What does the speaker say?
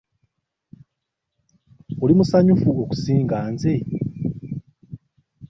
Oli musanyufu okusinga nze?